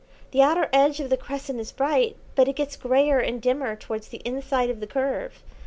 The outer edge of the crescent is bright, but it gets greyer and dimmer towards the inside of the curve.